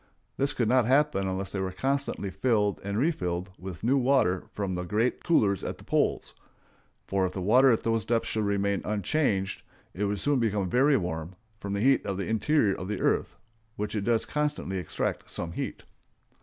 This could not happen unless they were constantly filled and refilled with new water from the great coolers at the poles; for if the water at those depths should remain unchanged, it would soon become very warm from the heat of the interior of the earth, whence it does constantly extract some heat.